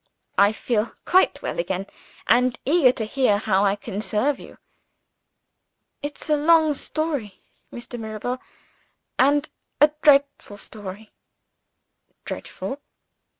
"I feel quite well again and eager to hear how I can serve you." "It's a long story, Mr. Mirabel and a dreadful story." "Dreadful?"